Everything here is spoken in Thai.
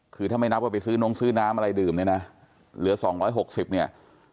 คือถ้าไม่นับว่าไปซื้อนงซื้อน้ำอะไรดื่มเนี่ยนะเหลือ๒๖๐เนี่ย